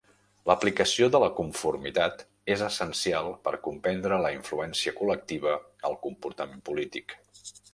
L"aplicació de la conformitat és essencial per comprendre la influència col·lectiva al comportament polític.